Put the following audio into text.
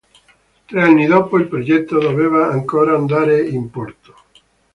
Tre anni dopo, il progetto doveva ancora andare in porto.